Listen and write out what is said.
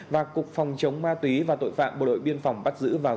và cục phòng chống ma túy và tội phạm bộ đội biên phòng bắt giữ vào dạng sáng hẹp